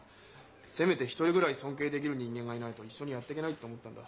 せめて一人ぐらい尊敬できる人間がいないと一緒にやってけないって思ったんだ。